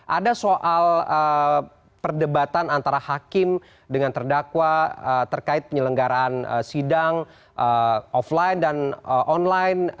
ada soal perdebatan antara hakim dengan terdakwa terkait penyelenggaraan sidang offline dan online